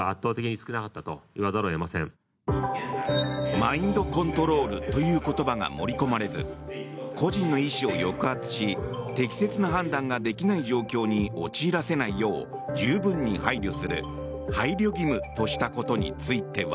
マインドコントロールという言葉が盛り込まれず個人の意思を抑圧し適切な判断ができない状況に陥らせないよう十分に配慮する配慮義務としたことについては。